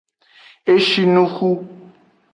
Eshinuxu.